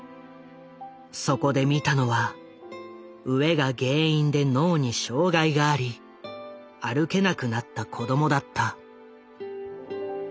そこで見たのは飢えが原因で脳に障害があり歩けなくなった子供だった。